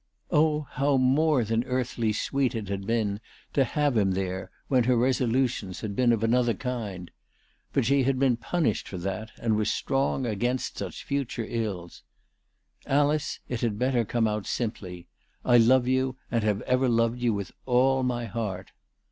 Oh, how more than earthly sweet it had been to have him there, when her resolutions had been of another kind ! But she had been punished for that, and was strong against such future ills. " Alice, it had better come out simply. I love you, and have ever loved you with all my heart."